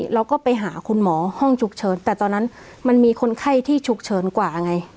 เราก็ไปหาคุณหมอห้องฉุกเฉินแต่ตอนนั้นมันมีคนไข้ที่ฉุกเฉินกว่าไง